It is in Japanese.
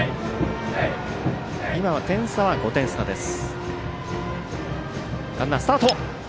今は点差は５点差です。